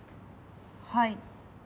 はい。